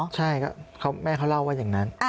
ใช่แม่เขาเล่าว่าอย่างนั้น